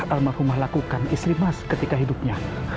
almarhumah lakukan istri mas ketika hidupnya